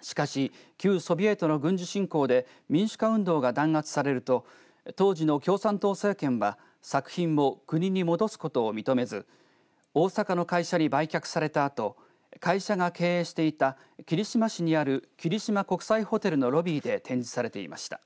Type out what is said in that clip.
しかし、旧ソビエトの軍事侵攻で民主化運動が弾圧されると当時の共産党政権は作品を国に戻すことを認めず大阪の会社に売却されたあと会社が経営していた霧島市にある霧島国際ホテルのロビーで展示されていました。